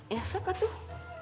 iya sokak tuh